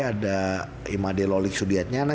ada imade lolik sudiaknyana